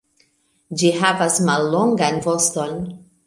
Ĝi havas mallongan voston.